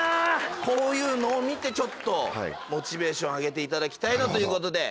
こういうのを見てちょっとモチベーション上げていただきたいなということで。